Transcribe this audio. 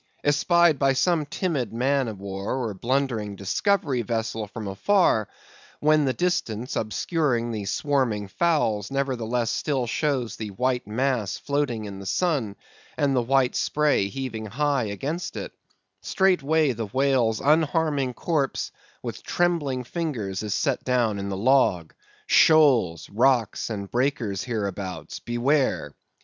Espied by some timid man of war or blundering discovery vessel from afar, when the distance obscuring the swarming fowls, nevertheless still shows the white mass floating in the sun, and the white spray heaving high against it; straightway the whale's unharming corpse, with trembling fingers is set down in the log—_shoals, rocks, and breakers hereabouts: beware!